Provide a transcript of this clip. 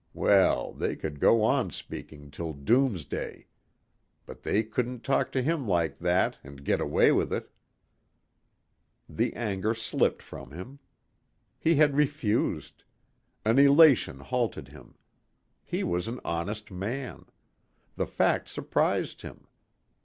Well, they could go on speaking till doomsday. But they couldn't talk to him like that ... and get away with it. The anger slipped from him. He had refused. An elation halted him. He was an honest man! The fact surprised him.